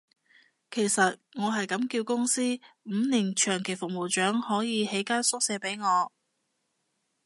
其實我係咁叫公司，五年長期服務獎可以起間宿舍畀我